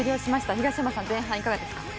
東山さん、前半はいかがですか？